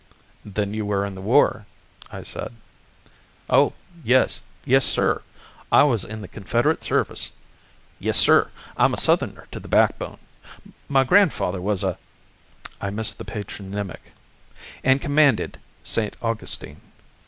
"Then you were in the war?" I said. "Oh, yes, yes, sir! I was in the Confederate service. Yes, sir, I'm a Southerner to the backbone. My grandfather was a " (I missed the patronymic), "and commanded St. Augustine."